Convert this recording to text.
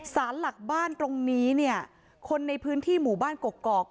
สารหลักบ้านตรงนี้เนี่ยคนในพื้นที่หมู่บ้านกกอก